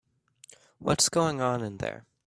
What's going on in there?